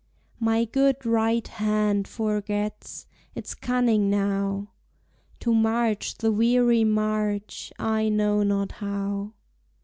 My good right hand forgets Its cunning now; To march the weary march I know not how.